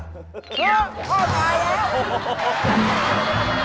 เฮ้ยพ่อตายแล้ว